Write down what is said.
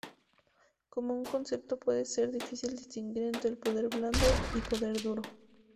Como un concepto, puede ser difícil distinguir entre poder blando y poder duro.